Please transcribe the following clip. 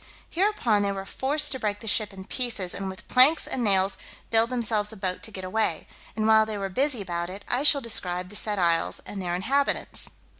Hereupon they were forced to break the ship in pieces, and with planks and nails build themselves a boat to get away; and while they are busy about it, I shall describe the said isles and their inhabitants.